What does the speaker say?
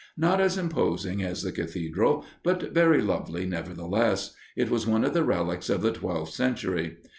Not as imposing as the cathedral, but very lovely nevertheless, it was one of the relics of the twelfth century.